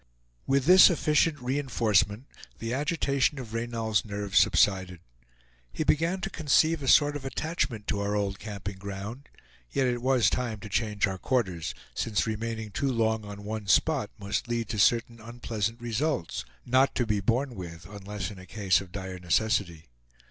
With this efficient re enforcement the agitation of Reynal's nerves subsided. He began to conceive a sort of attachment to our old camping ground; yet it was time to change our quarters, since remaining too long on one spot must lead to certain unpleasant results not to be borne with unless in a case of dire necessity.